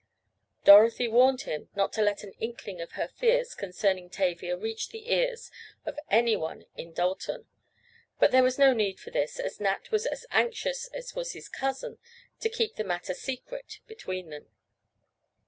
Dorothy warned him not to let an inkling of her fears concerning Tavia reach the ears of any one in Dalton, but there was no need for this, as Nat was as anxious as was his cousin to keep the matter secret between them.